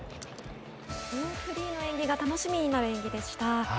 フリーの演技が楽しみになる演技でした。